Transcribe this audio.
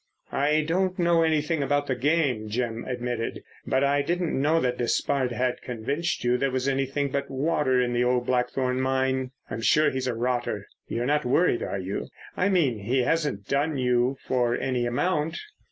"I don't know anything about the game," Jim admitted. "But I didn't know that Despard had convinced you there was anything but water in the old Blackthorn mine. I'm sure he's a rotter. You're not worried, are you? I mean, he hasn't done you for any amount?"